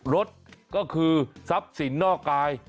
รถก็คือทรัพย์สินนอกกาย